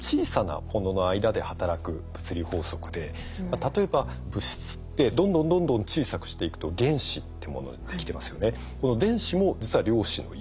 例えば物質ってどんどんどんどん小さくしていくと原子っていうものでできてますよね。